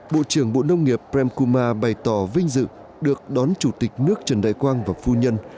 bộ trưởng bộ nông nghiệp prem kuma bày tỏ vinh dự được đón chủ tịch nước trần đại quang và phu nhân